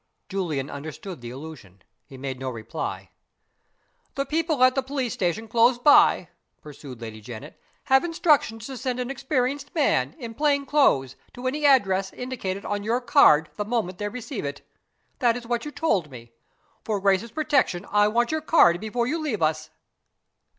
Julian understood the allusion. He made no reply. "The people at the police station close by," pursued Lady Janet, "have instructions to send an experienced man, in plain clothes, to any address indicated on your card the moment they receive it. That is what you told me. For Grace's protection, I want your card before you leave us."